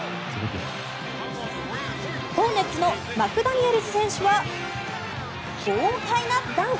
ホーネッツのマクダニエルズ選手は豪快なダンク！